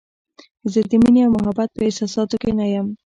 زه د مینې او محبت په احساساتو کې نه یم.